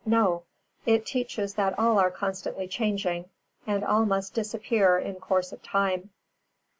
No. It teaches that all are constantly changing, and all must disappear in course of time.